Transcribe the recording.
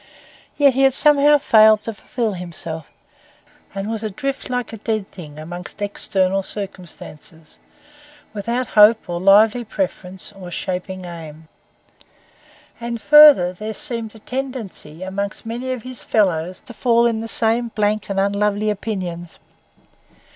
Yet he had somehow failed to fulfil himself, and was adrift like a dead thing among external circumstances, without hope or lively preference or shaping aim. And further, there seemed a tendency among many of his fellows to fall into the same blank and unlovely opinions.